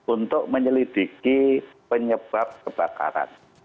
untuk menyelidiki penyebab kebakaran